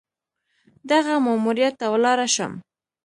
دغه ماموریت ته ولاړه شم.